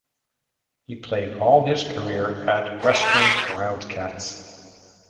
He played all his career at Western Wildcats.